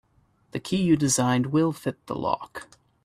The key you designed will fit the lock.